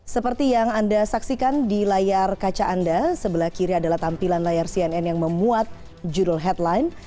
seperti yang anda saksikan di layar kaca anda sebelah kiri adalah tampilan layar cnn yang memuat judul headline